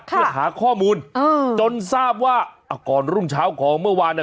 เพื่อหาข้อมูลจนทราบว่าก่อนรุ่งเช้าของเมื่อวาน